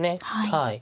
はい。